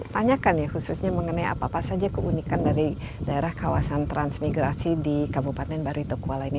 tanyakan ya khususnya mengenai apa apa saja keunikan dari daerah kawasan transmigrasi di kabupaten baritokuala ini